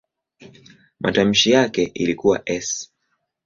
Matamshi yake ilikuwa "s".